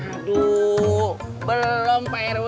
aduh belum pak rw